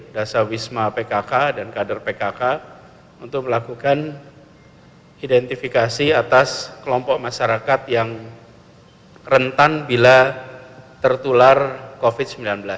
dasar wisma pkk dan kader pkk untuk melakukan identifikasi atas kelompok masyarakat yang rentan bila tertular covid sembilan belas